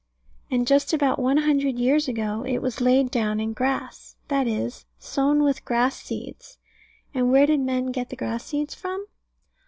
And just about one hundred years ago it was laid down in grass; that is, sown with grass seeds. And where did men get the grass seeds from?